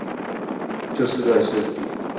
就事論事